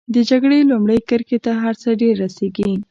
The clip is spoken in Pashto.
د جګړې لومړۍ کرښې ته هر څه ډېر رسېږي.